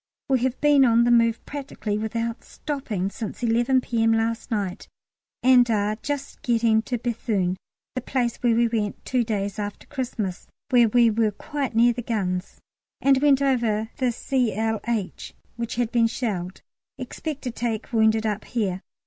We have been on the move practically without stopping since 11 P.M. last night, and are just getting to Béthune, the place we went to two days after Christmas, where we were quite near the guns, and went over the Cl. H. which had been shelled. Expect to take wounded up here.